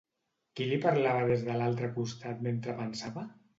Qui li parlava des de l'altre costat mentre pensava?